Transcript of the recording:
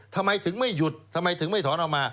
ทำไมถึงไม่หยุดทำไมถึงไม่ถอนออกมา